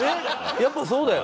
やっぱそうだよね。